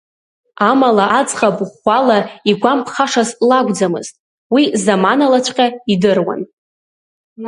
Амала аӡӷаб ӷәӷәала игәамԥхашаз лакәӡамызт, уи заманалаҵәҟьа идыруан.